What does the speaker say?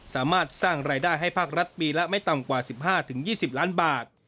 สามารถสร้างรายได้ให้ภาครัฐปีละไม่ต่ำกว่า๑๕๒๐ล้านบาท